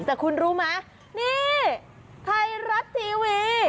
แต่คุณรู้ไหมนี่ไทยรัฐทีวี